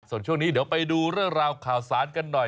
ส่วนช่วงนี้เดี๋ยวไปดูเรื่องราวข่าวสารกันหน่อย